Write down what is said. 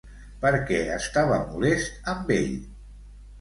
Per què estava molest amb ell?